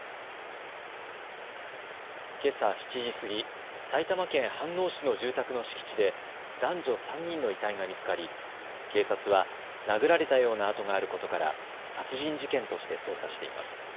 けさ７時過ぎ、埼玉県飯能市の住宅の敷地で男女３人の遺体が見つかり警察は殴られたような痕があることから殺人事件として捜査しています。